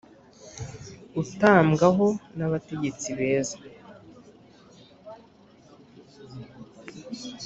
utambwa ho nabategetsi beza